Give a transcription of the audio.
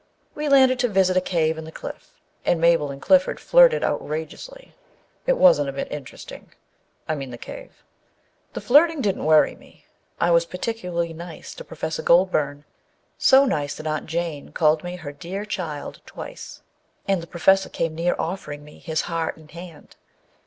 We landed to visit a cave in the cliff, and Mabel and Clifford flirted outrageously. It wasn't a bit interesting â I mean the cave. The flirt ing didn't worry me : I was particularly nice to Professor Goldburn â so nice that Aunt Jane called me her dear child twice, and the Professor 121 122 The Ghost in the Red Shirt came near offering me his heart and hand.